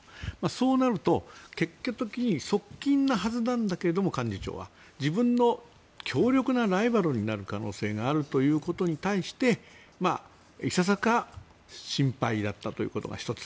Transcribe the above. そうなると、結果的に幹事長は側近なはずなんだけど自分の強力なライバルになる可能性があるということに対していささか心配だったということが１つ。